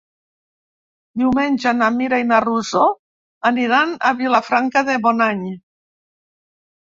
Diumenge na Mira i na Rosó aniran a Vilafranca de Bonany.